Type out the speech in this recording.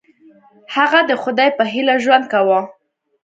هغه د خدای په هیله ژوند کاوه.